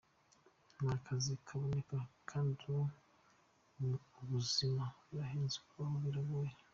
Nta kazi kaboneka kandi ubuzima burahenze kubaho biragoye.